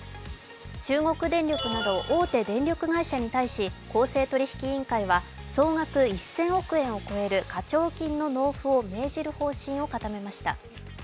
中国電力など大手電力会社に対し公正取引委員会は総額１０００億円を超える課徴金の納付を命じる方針を固めました。